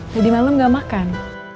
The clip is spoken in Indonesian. tadi malem gak makan